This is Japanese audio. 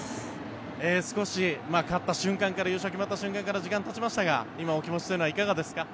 少し勝った瞬間から優勝が決まった瞬間から時間がたちましたが今のお気持ちはいかがですか。